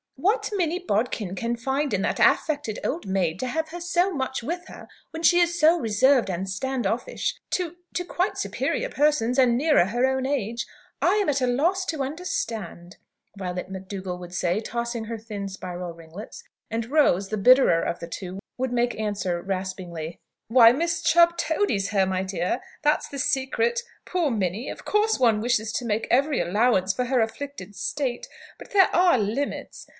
"What Minnie Bodkin can find in that affected old maid, to have her so much with her when she is so reserved and stand offish to to quite superior persons, and nearer her own age, I am at a loss to understand!" Violet McDougall would say, tossing her thin spiral ringlets. And Rose, the bitterer of the two, would make answer, raspingly: "Why, Miss Chubb toadies her, my dear. That's the secret. Poor Minnie! Of course one wishes to make every allowance for her afflicted state; but there are limits.